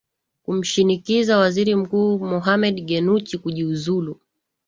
kumshinikiza waziri mkuu mohamed genuchi kujiuzulu